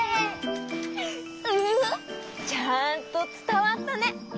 ウフフ！ちゃんとつたわったね！